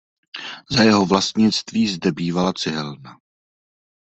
Za jeho vlastnictví zde bývala cihelna.